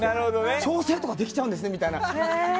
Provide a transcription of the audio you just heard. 調整とかできちゃうんですねとか。